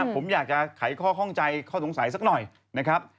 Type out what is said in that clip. ผมอยากจะไขข้อข้องใจข้อสงสัยสักหน่อยนะครับ